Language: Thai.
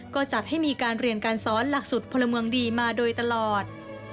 ก็จัดให้มีการเรียนการสอนหลักสุดพลเมืองดีมาโดยตลอด